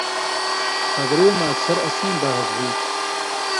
خبریُوں مہ اکثر اسیں بہز ہُوئ تُھو۔